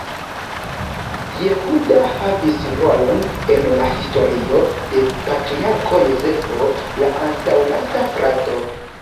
Jehuda havis rolon en la historio de Patriarko Jozefo, la antaŭlasta frato.